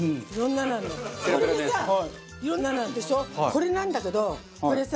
これなんだけどこれさ